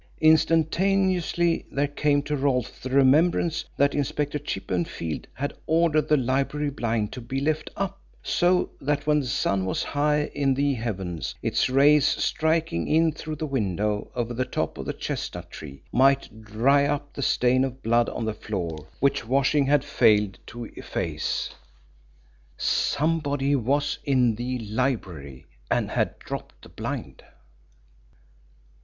Instantaneously there came to Rolfe the remembrance that Inspector Chippenfield had ordered the library blind to be left up, so that when the sun was high in the heavens its rays, striking in through the window over the top of the chestnut tree, might dry up the stain of blood on the floor, which washing had failed to efface. Somebody was in the library and had dropped the blind.